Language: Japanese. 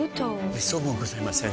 めっそうもございません。